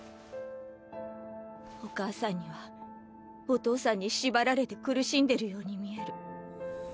お母さんにはお父さんに縛られて苦しんでるように見える。